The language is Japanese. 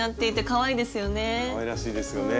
かわいらしいですよね。